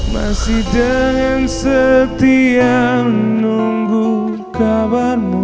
masih dengan setia menunggu kabarmu